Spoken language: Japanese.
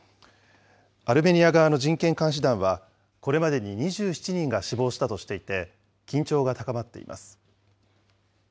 アルメニア側の人権監視団は、これまでに２７人が死亡したとしていて、緊張が高まっています。